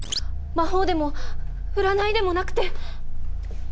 魔法でも占いでもなくて。